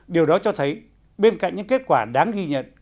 điều đó cho thấy bên cạnh những kết quả đáng ghi nhận